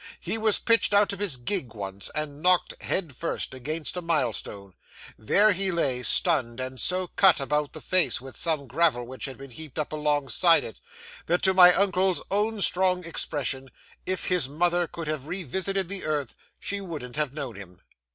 He was pitched out of his gig once, and knocked, head first, against a milestone. There he lay, stunned, and so cut about the face with some gravel which had been heaped up alongside it, that, to use my uncle's own strong expression, if his mother could have revisited the earth, she wouldn't have known him.